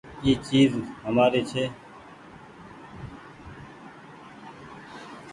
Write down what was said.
اي چيز همآري ڇي۔